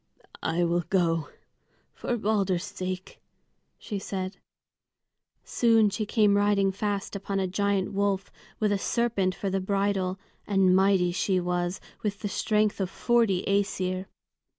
"I will go, for Balder's sake," she said. Soon she came riding fast upon a giant wolf, with a serpent for the bridle; and mighty she was, with the strength of forty Æsir.